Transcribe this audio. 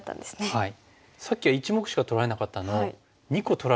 はい。